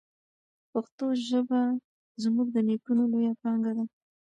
پښتو ژبه زموږ د نیکونو لویه پانګه ده.